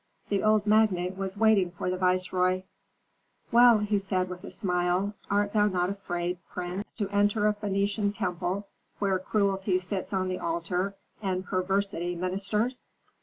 The old magnate was waiting for the viceroy. "Well," said he, with a smile, "art thou not afraid, prince, to enter a Phœnician temple where cruelty sits on the altar and perversity ministers?"